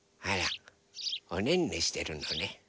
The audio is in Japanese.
あらおねんねしてるのね。